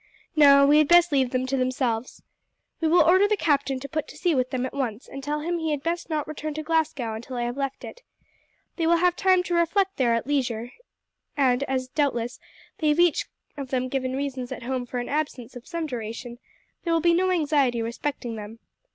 No, we had best leave them to themselves. We will order the captain to put to sea with them at once, and tell him he had best not return to Glasgow until I have left it. They will have time to reflect there at leisure, and as, doubtless, they have each of them given reasons at home for an absence of some duration there will be no anxiety respecting them.